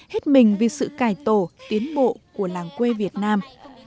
hết mình vì sự cải tổ tiến bộ của làng quê việt nam